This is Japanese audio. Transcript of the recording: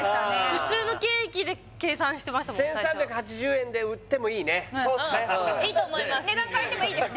普通のケーキで計算してましたもん１３８０円で売ってもいいねそうっすねいいと思います買います